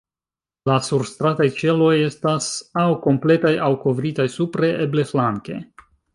La surstrataj ĉeloj estas aŭ kompletaj, aŭ kovritaj supre, eble flanke.